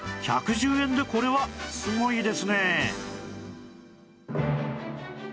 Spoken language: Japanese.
１１０円でこれはすごいですね